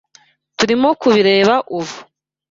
Turimo kubireba ubu.